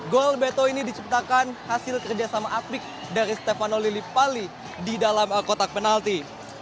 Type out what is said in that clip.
gol beto ini diciptakan hasil kerjasama apik dari stefano lillipali di dalam kotak penalti